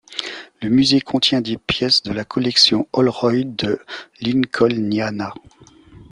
Le musée contient des pièces de la collection Olroyd de Lincolniana.